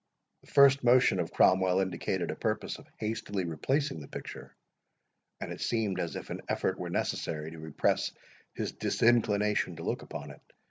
The first motion of Cromwell indicated a purpose of hastily replacing the picture, and it seemed as if an effort were necessary to repress his disinclination to look upon it.